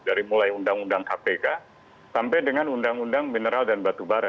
dari mulai undang undang kpk sampai dengan undang undang mineral dan batu bara